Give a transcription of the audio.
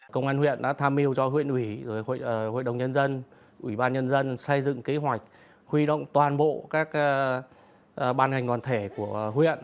công an huyện đã tham mưu cho huyện ủy hội đồng nhân dân ủy ban nhân dân xây dựng kế hoạch huy động toàn bộ các ban hành đoàn thể của huyện